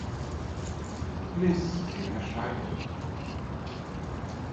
Smith" in Erscheinung.